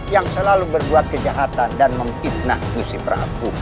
yang selalu berbuat kejahatan dan memitnah usip raku